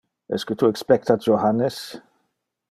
Esque tu expecta Johannes?